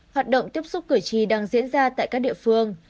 hoạt động tiếp xúc cử tri đang diễn ra tại các địa phương